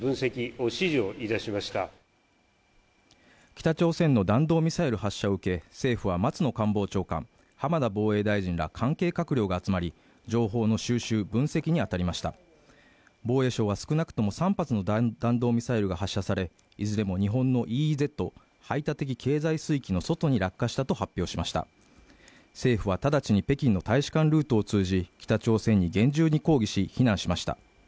北朝鮮の弾道ミサイル発射を受け政府は松野官房長官、浜田防衛大臣ら関係閣僚が集まり情報の収集分析に当たりました防衛省は少なくとも３発の弾弾道ミサイルが発射されいずれも日本のＥＥＺ＝排他的経済水域の外に落下したと発表しました政府は直ちに北京の大使館ルートを通じて北朝鮮に厳重に抗議し非難しました